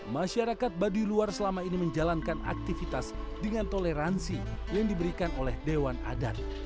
masyarakat baduy luar selama ini menjalankan aktivitas dengan toleransi yang diberikan oleh dewan adat